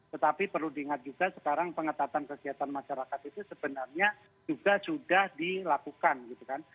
tetapi perlu diingat juga sekarang pengetatan kegiatan masyarakat itu sebenarnya juga sudah dilakukan gitu kan